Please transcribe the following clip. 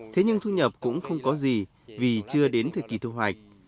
thế nhưng thu nhập cũng không có gì vì chưa đến thời kỳ thu hoạch